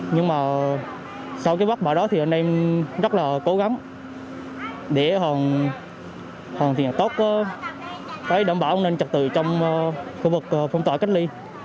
nhưng mà sau cái vất vả đó thì anh em rất là cố gắng để còn tốt đảm bảo an ninh trật tự trong khu vực phong tỏa cách ly